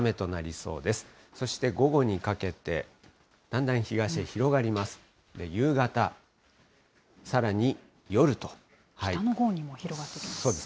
そして、午後にかけて、だんだん東へ広がります。